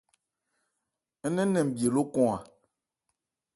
Ń nɛn nɛn bhye lókɔn a.